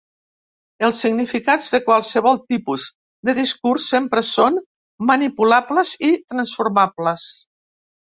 Els significats de qualsevol tipus de discurs sempre són manipulables i transformables.